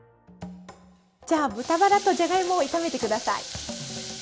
じゃあ豚バラとじゃがいもを炒めて下さい。